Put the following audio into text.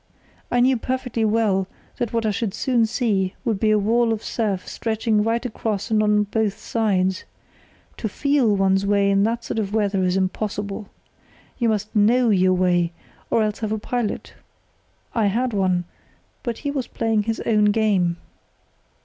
I knew perfectly well that what I should soon see would be a wall of surf stretching right across and on both sides. To feel one's way in that sort of weather is impossible. You must know your way, or else have a pilot. I had one, but he was playing his own game.